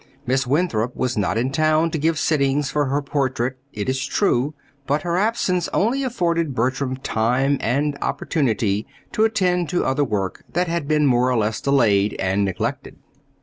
Miss Winthrop was not in town to give sittings for her portrait, it is true; but her absence only afforded Bertram time and opportunity to attend to other work that had been more or less delayed and neglected.